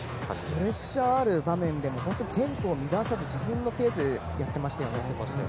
プレッシャーある場面でもテンポを乱さず自分のペースでやってましたね。